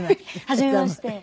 はじめまして。